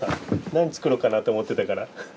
何作ろうかなと思ってたから。